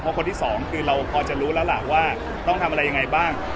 เพราะคนที่สองคือเราพอจะรู้แล้วล่ะว่าต้องทำอะไรยังไงบ้าง